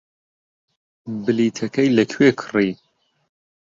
بلیتەکەی لەکوێ کڕی؟